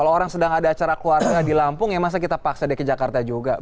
kalau orang sedang ada acara keluarga di lampung ya masa kita paksa deh ke jakarta juga